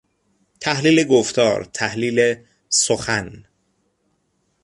تحلیل گفتار، تحلیل سخن